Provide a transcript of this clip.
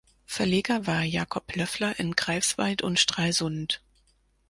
Verleger war Jacob Löffler in Greifswald und Stralsund.